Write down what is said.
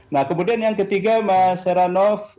nah kemudian yang ketiga mas heranov